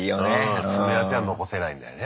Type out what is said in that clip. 爪痕は残せないんだよね